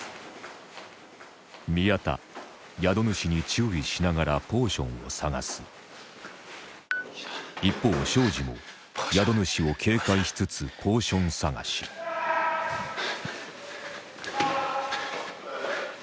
宮田宿主に注意しながらポーションを探す一方庄司も宿主を警戒しつつポーション探し・うわ！